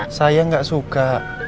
nih ah saya gak suka